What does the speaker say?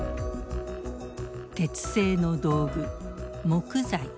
鉄製の道具木材麻。